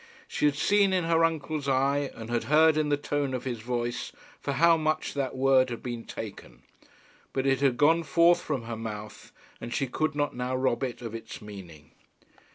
She had seen in her uncle's eye and had heard in the tone of his voice for how much that word had been taken; but it had gone forth from her mouth, and she could not now rob it of its meaning.